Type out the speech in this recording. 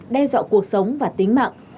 đe dọa cuộc sống và tính mạng